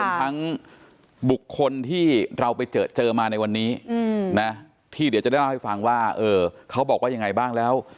ทั้งบุคคลที่เราไปเจอเจอมาในวันนี้นะที่เดี๋ยวจะได้เล่าให้ฟังว่าเออเขาบอกว่ายังไงบ้างแล้ว